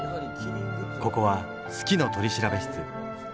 ここは「好きの取調室」。